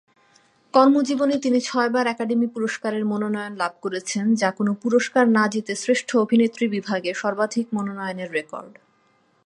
কর্মজীবনে তিনি ছয়বার একাডেমি পুরস্কারের মনোনয়ন লাভ করেছেন, যা কোন পুরস্কার না জিতে শ্রেষ্ঠ অভিনেত্রী বিভাগে সর্বাধিক মনোনয়নের রেকর্ড।